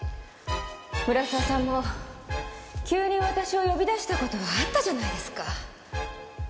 村沢さんも急に私を呼び出した事があったじゃないですか。